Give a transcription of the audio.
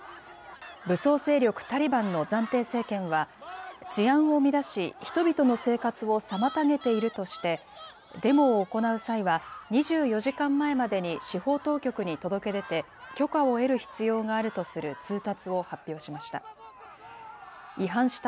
武装勢力タリバンの暫定政権は、治安を乱し、人々の生活を妨げているとして、デモを行う際は２４時間前までに司法当局に届け出て、許可を得る必要があるとする通達を発表しました。